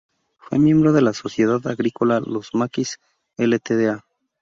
Fue miembro de la Sociedad Agrícola "Los Maquis Ltda.